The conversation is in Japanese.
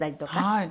はい。